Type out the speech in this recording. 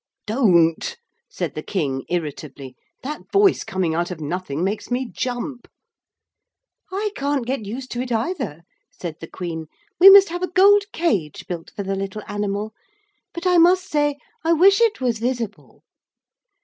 'Don't!' said the King irritably. 'That voice coming out of nothing makes me jump.' 'I can't get used to it either,' said the Queen. 'We must have a gold cage built for the little animal. But I must say I wish it was visible.'